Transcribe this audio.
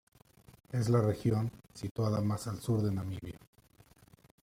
Es la región situada más al sur de Namibia.